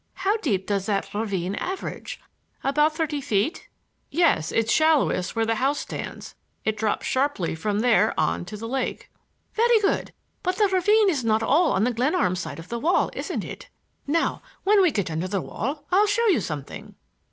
How deep does that ravine average—about thirty feet?" "Yes; it's shallowest where the house stands. it drops sharply from there on to the lake." "Very good; but the ravine is all on the Glenarm side of the wall, isn't it? Now when we get under the wall I'll show you something."